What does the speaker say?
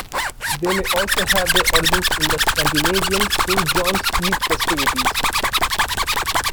These may also have their origins in the Scandinavian Saint John's Eve festivities.